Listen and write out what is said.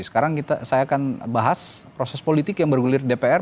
sekarang saya akan bahas proses politik yang bergulir dpr